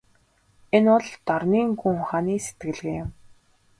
Энэ бол дорнын гүн ухааны сэтгэлгээ юм.